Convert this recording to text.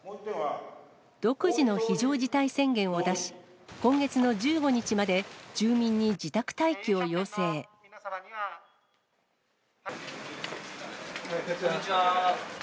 独自の非常事態宣言を出し、今月の１５日まで、こんにちは。